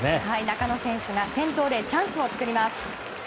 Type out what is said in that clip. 中野選手が先頭でチャンスを作ります。